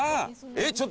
えっ？